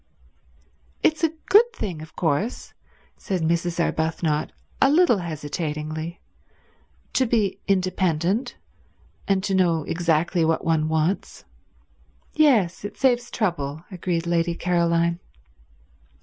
"It's a good thing, of course," said Mrs. Arbuthnot a little hesitatingly, "to be independent, and to know exactly what one wants." "Yes, it saves trouble," agreed Lady Caroline.